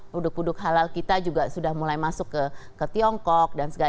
puduk puduk halal kita juga sudah mulai masuk ke tiongkok dan segala